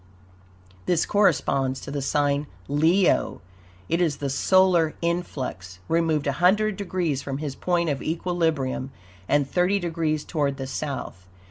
This corresponds to the sign Leo. It is the solar influx, removed 120 degrees from his point of equilibrium and thirty degrees toward the South.